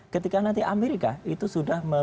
ketika nanti amerika itu sudah